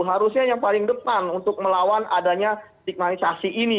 harusnya yang paling depan untuk melawan adanya stigmanisasi ini